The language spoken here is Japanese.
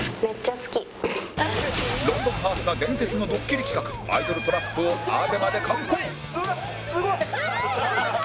『ロンドンハーツ』が伝説のドッキリ企画アイドルトラップを ＡＢＥＭＡ で敢行！